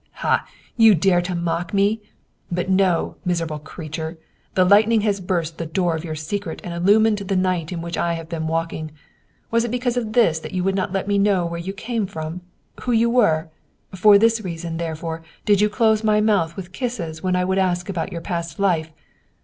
" Ha ! You dare to mock me ? But know, miserable creature, the lightning has burst the door of your secret, and illumined the night in which I have been walking! Was it because of this that you would not let me know where you came from? who you were? For this reason, therefore, did you close my mouth with kisses when I would ask about your past life?